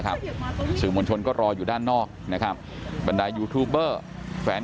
สื่อมวลชนก็รออยู่ด้านนอกนะครับบรรดายูทูบเบอร์แฟน